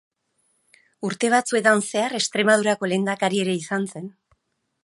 Urte batzuetan zehar, Extremadurako lehendakari ere izan zen.